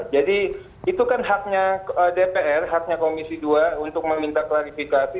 jadi itu kan haknya dpr haknya komisi dua untuk meminta klarifikasi